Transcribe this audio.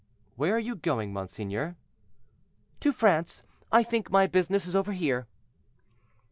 "Where are you going, monseigneur?" "To France. I think my business is over here."